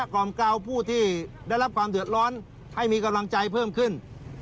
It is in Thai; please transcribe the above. กล่อมกล่าวผู้ที่ได้รับความเดือดร้อนให้มีกำลังใจเพิ่มขึ้น